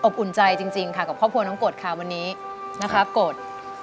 อุ่นใจจริงค่ะกับครอบครัวน้องกฎค่ะวันนี้นะคะกฎ